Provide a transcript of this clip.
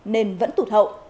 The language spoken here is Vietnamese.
nên vẫn tụt hậu